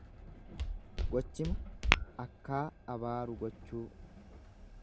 Gochima akkaa abaaru gochuu.